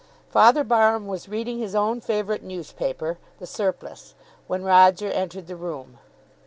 Father Barham was reading his own favourite newspaper, "The Surplice," when Roger entered the room.